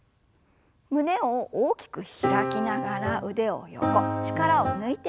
胸を大きく開きながら腕を横力を抜いて振りほぐします。